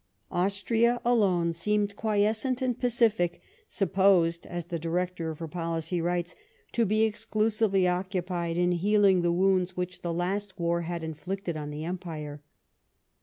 Austria alone seemed quiescent and pacific, " supposed," as the director of her policy writes, " to be exclusively occupied in healing the wounds which the last war had inflicted on the Empire."